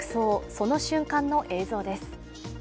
その瞬間の映像です。